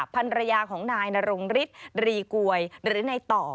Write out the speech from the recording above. ภรรยาของนายนรงฤทธิ์รีกวยหรือในต่อ